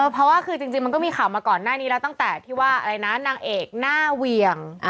เพราะว่าคือจริงมันก็มีข่าวมาก่อนหน้านี้แล้วตั้งแต่ที่ว่าอะไรนะนางเอกหน้าเวียง